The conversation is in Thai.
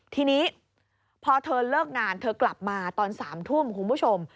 ทีนี้พอเธอเลิกงานเธอกลับมาตอน๓ทุ่มคุณผู้ชม